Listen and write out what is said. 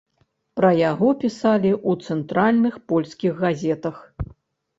Пра яго пісалі ў цэнтральных польскіх газетах.